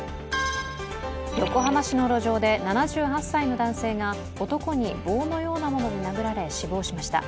横浜市の路上で７８歳の男性が男に棒のようなもので殴られ死亡しました。